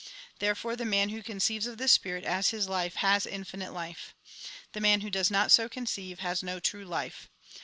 Therefore the man who conceives of this Spirit as his hfe, has infinite life. The man who does not so conceive, has no true life.